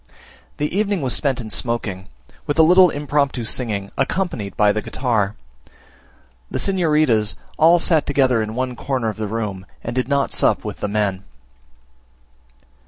The evening was spent in smoking, with a little impromptu singing, accompanied by the guitar. The signoritas all sat together in one corner of the room, and did not sup with the men.